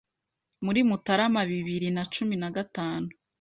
muri Mutarama bibiri na cumi nagatanu